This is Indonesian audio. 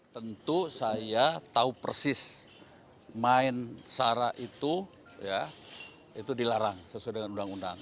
tentu saya tahu persis main sara itu dilarang sesuai dengan undang undang